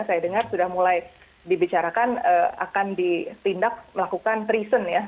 saya dengar sudah mulai dibicarakan akan ditindak melakukan treason ya